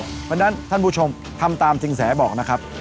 เพราะฉะนั้นท่านผู้ชมทำตามสินแสบอกนะครับ